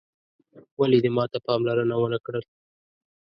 ولي دې ماته پاملرنه وه نه کړل